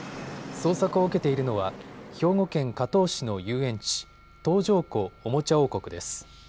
捜索を受けているのは兵庫県加東市の遊園地、東条湖おもちゃ王国です。